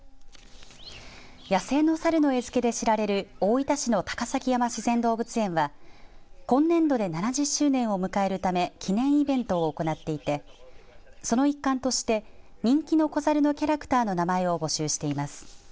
野生のサルの餌付けで知られる大分市の高崎山自然動物園は今年度で７０周年を迎えるため記念イベントを行っていてその一環として人気の子ザルのキャラクターの名前を募集しています。